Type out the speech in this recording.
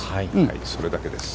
それだけです。